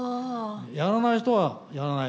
やらない人はやらない。